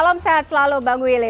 salam sehat selalu bang willy